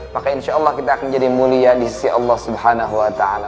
maka insyaallah kita akan menjadi mulia di sisi allah subhanahu wa ta'ala